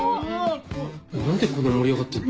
何でこんな盛り上がってんの？